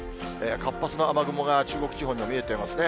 活発な雨雲が、中国地方に見えていますね。